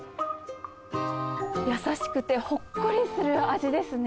優しくてほっこりする味ですね。